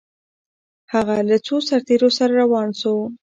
هغه له څو سرتیرو سره روان سو؟